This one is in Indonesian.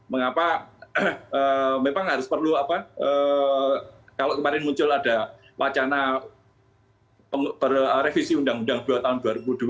mengapa memang harus perlu apa kalau kemarin muncul ada wacana revisi undang undang dua tahun dua ribu dua